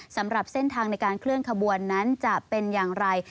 สำหรับเส้นทางในการเคลื่อนขบวนนั้นจะเป็นอย่างไร